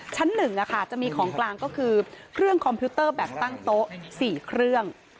ชั้น๑จะมีของกลางก็คือเครื่องคอมพิวเตอร์แบบตั้งโต๊ะ๔เครื่อง